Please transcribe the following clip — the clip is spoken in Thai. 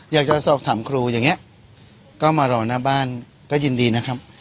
อยากจะสอบถามครูอย่างนี้ก็มารอหน้าบ้านก็ยินดีนะครับ